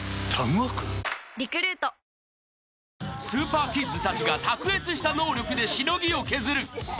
［スーパーキッズたちが卓越した能力でしのぎを削る！］